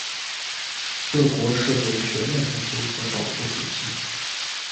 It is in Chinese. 各国设有学院研究和保护水晶。